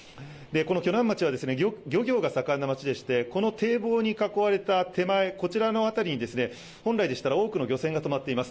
鋸南町は漁業が盛んな町でこの堤防に囲われた手前、こちらの辺りに本来でしたら多くの漁船がとまっています。